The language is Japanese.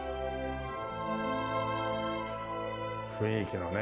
雰囲気をね。